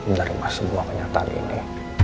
ndara masuk buah kenyataan ini